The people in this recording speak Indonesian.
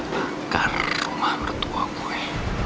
bakar rumah mertua gue